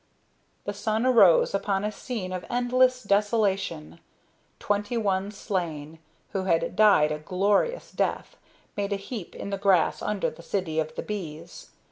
The sun arose upon a scene of endless desolation. Twenty one slain, who had died a glorious death, made a heap in the grass under the city of the bees.